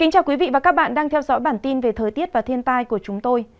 cảm ơn các bạn đã theo dõi và ủng hộ cho bản tin thời tiết và thiên tai của chúng tôi